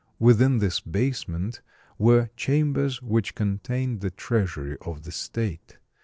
Within this basement were chambers which contained the treasury of the state.